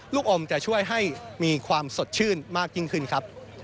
ลูกอมจะช่วยให้มีความสดชื่นมากยิ่งขึ้นครับ